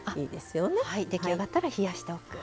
出来上がったら冷やしておく。